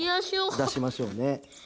出しましょうね。